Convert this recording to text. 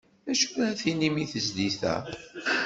D acu ara tinim di tezlit-a?